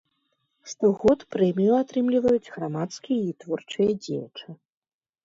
Штогод прэмію атрымліваюць грамадскія і творчыя дзеячы.